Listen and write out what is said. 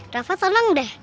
rafa senang deh